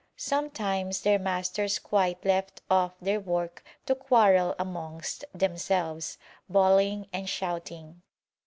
Sometimes their masters quite left off their work to quarrel amongst themselves, bawling and shouting.